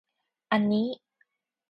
อันนี้